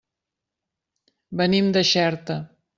Venim de Xerta.